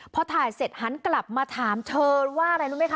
พอถ่ายเสร็จหันกลับมาถามเธอว่าอะไรรู้ไหมคะ